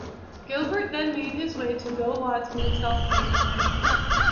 Gilbert then made his way to Bill Watts' Mid-South territory.